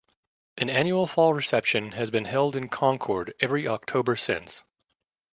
An annual fall reception has been held in Concord every October since.